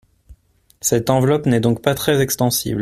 Cette enveloppe n’est donc pas très extensible.